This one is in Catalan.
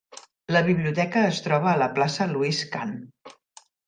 La biblioteca es troba a la plaça Louis Kahn.